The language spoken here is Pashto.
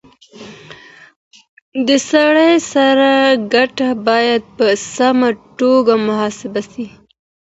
د سړي سر ګټه بايد په سمه توګه محاسبه سي.